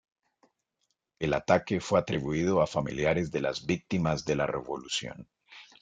El ataque fue atribuido a familiares de las víctimas de la revolución.